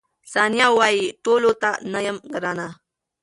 ثانیه وايي، ټولو ته نه یم ګرانه.